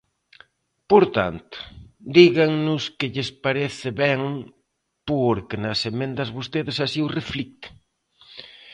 Por tanto, dígannos que lles parece ben porque nas emendas vostedes así o reflicten.